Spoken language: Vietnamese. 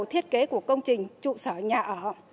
thiết kế của công trình trụ sở nhà ở